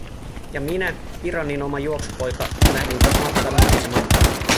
Ja minä, Kiranin oma juoksupoika, lähdin taas matkaan mukisematta.